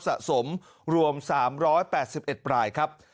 สะสมรวม๓๘๑รายครับ